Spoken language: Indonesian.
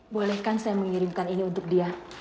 bolehkan saya mengirimkan ini untuk dia